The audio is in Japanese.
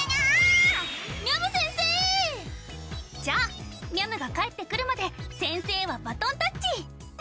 じゃあみゃむが帰ってくるまで先生はバトンタッチ！